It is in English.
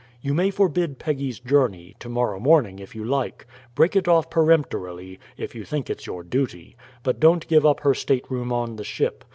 You may forbid Peggy's journey, to morrow morning if you like. Break it off peremptorily, if you think it's your duty. But don't give up her state room on the ship.